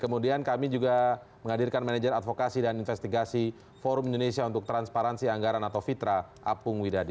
kemudian kami juga menghadirkan manajer advokasi dan investigasi forum indonesia untuk transparansi anggaran atau fitra apung widadi